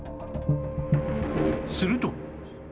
すると